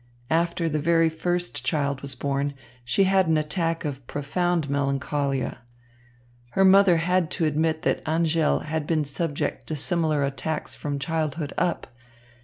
After the very first child was born, she had an attack of profound melancholia. Her mother had to admit that Angèle had been subject to similar attacks from childhood up.